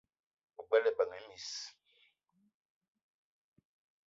O gbele ebeng e miss :